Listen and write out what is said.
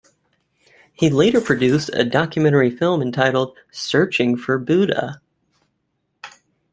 He later produced a documentary film entitled, "Searching for Buddha".